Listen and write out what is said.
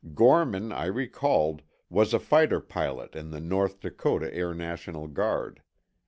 Gorman, I recalled, was a fighter pilot in the North Dakota Air National Guard.